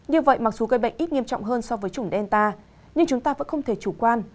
như vậy mặc dù gây bệnh ít nghiêm trọng hơn so với chủng delta nhưng chúng ta vẫn không thể chủ quan